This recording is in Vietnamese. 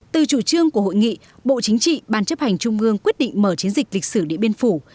từ chủ trương của hội nghị bộ chính trị ban chấp hành trung ương quyết định mở chiến dịch lịch sử điện biên phủ